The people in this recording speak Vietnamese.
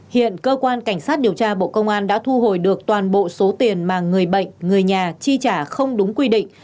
hiện cơ quan cảnh sát điều tra bộ công an đã thu hồi được toàn bộ số tiền mà người bệnh người nhà chi trả không đúng quy định